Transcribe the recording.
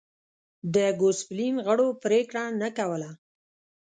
د ګوسپلین غړو پرېکړه نه کوله.